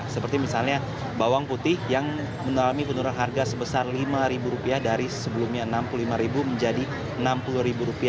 seperti misalnya bawang putih yang mengalami penurunan harga sebesar rp lima dari sebelumnya rp enam puluh lima menjadi rp enam puluh